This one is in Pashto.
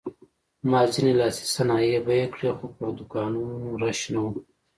ما ځینې لاسي صنایع بیه کړې خو پر دوکانونو رش نه و.